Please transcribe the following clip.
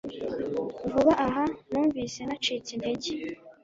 Vuba aha numvise nacitse intege.